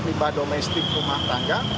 limba domestik rumah tangga